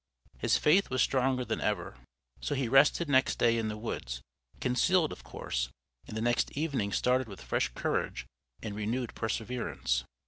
His faith was stronger than ever. So he rested next day in the woods, concealed, of course, and the next evening started with fresh courage and renewed perseverance.